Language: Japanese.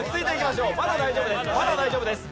まだ大丈夫です。